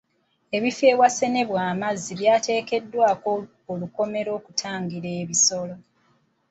Ebifo awasenebwa amazzi byateekeddwako olukomera okutangira ebisolo.